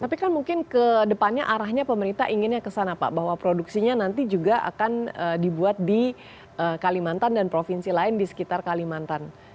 tapi kan mungkin ke depannya arahnya pemerintah inginnya ke sana pak bahwa produksinya nanti juga akan dibuat di kalimantan dan provinsi lain di sekitar kalimantan